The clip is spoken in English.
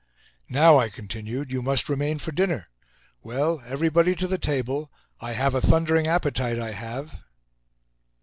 "Now," I continued, "you must remain for dinner. Well, everybody to the table. I have a thundering appetite, I have."